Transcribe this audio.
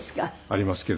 ありますけど。